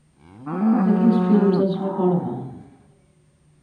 De quins films es recorda?